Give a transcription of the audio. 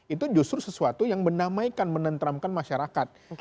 itu justru sesuatu yang menamaikan menenteramkan masyarakat